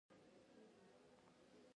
ډیوېټ ایسنهاور وایي صداقت د رهبرۍ خاصیت دی.